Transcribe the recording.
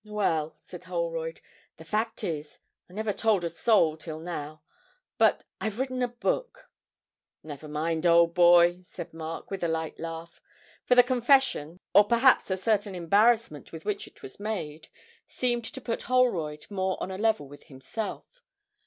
'Well,' said Holroyd, 'the fact is I never told a soul till now but I've written a book.' 'Never mind, old boy,' said Mark, with a light laugh; for the confession, or perhaps a certain embarrassment with which it was made, seemed to put Holroyd more on a level with himself.